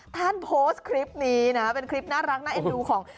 ท่านโพสต์คลิปนี้นะเป็นคลิปน่ารักน่าเอ็นดูของ